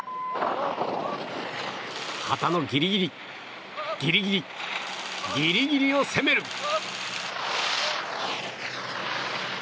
旗のギリギリ、ギリギリギリギリを攻める！